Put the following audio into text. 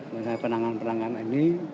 dengan penanganan penanganan ini